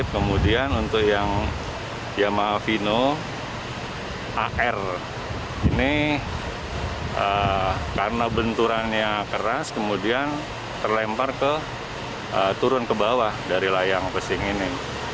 kemudian untuk yang vino ar ini karena benturannya keras kemudian terlempar ke turun ke bawah dari layang besing ini